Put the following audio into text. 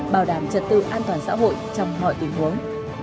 bảo đảm trật tự an toàn xã hội trong mọi tình huống